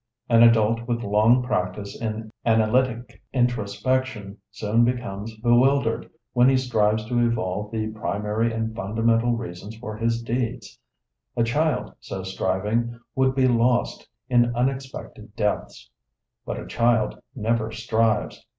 An adult with long practice in analytic introspection soon becomes bewildered when he strives to evolve the primary and fundamental reasons for his deeds; a child so striving would be lost in unexpected depths; but a child never strives.